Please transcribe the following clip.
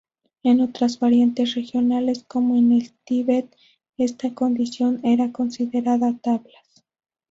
En otras variantes regionales como en el Tíbet, esta condición era considerada tablas.